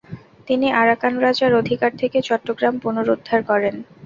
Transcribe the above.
তিনি আরাকান রাজার অধিকার থেকে চট্টগ্রাম পুনরুদ্ধার করেন।